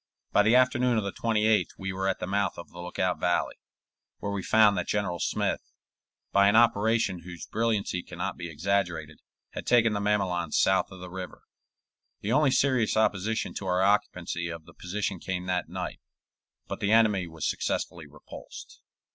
By the afternoon of the 28th we were at the mouth of the Lookout Valley, where we found that General Smith, by an operation whose brilliancy can not be exaggerated, had taken the mamelons south of the river. The only serious opposition to our occupancy of the position came that night, but the enemy was successfully repulsed.